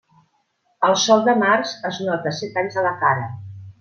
El sol de març es nota set anys a la cara.